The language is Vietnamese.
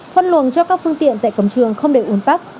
phân luồng cho các phương tiện tại cổng trường không để ủn tắc